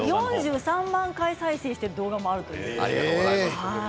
４３万回再生している動画があるということです。